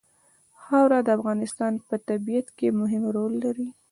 خاوره د افغانستان په طبیعت کې مهم رول لري.